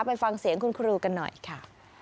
ไปฟังเสียงคุณครูกันหน่อยค่ะ